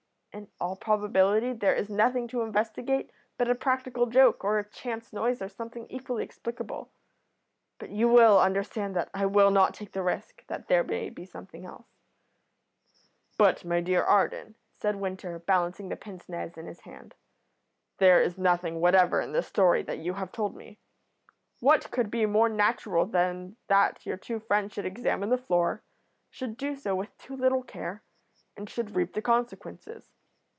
In all probability there is nothing to investigate but a practical joke, or a chance noise, or something equally explicable, but you will understand that I will not take the risk that there may be something else." "But, my dear Arden," said Winter, balancing the pince nez in his hand, "there is nothing whatever in the story that you have told me. What could be more natural than that your two friends should examine the floor, should do so with too little care, and should reap the consequences?